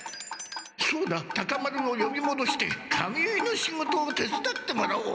そうだタカ丸をよびもどして髪結いの仕事をてつだってもらおう。